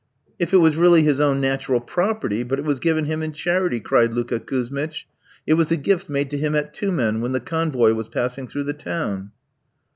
"If it was really his own natural property, but it was given him in charity," cried Luka Kouzmitch. "It was a gift made to him at Tumen, when the convoy was passing through the town."